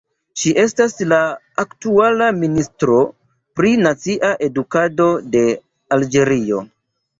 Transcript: Ŝi estas la aktuala ministro pri nacia edukado de Alĝerio.